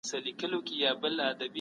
سرمایه داري ټولنه په دوو برخو ویشي.